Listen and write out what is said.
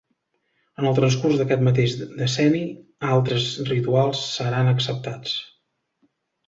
En el transcurs d'aquest mateix decenni, altres rituals seran acceptats.